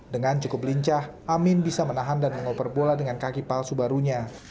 dengan cukup lincah amin bisa menahan dan mengoper bola dengan kaki palsu barunya